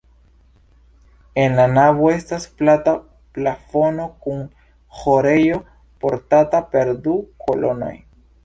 En la navo estas plata plafono kun ĥorejo portata per du kolonoj.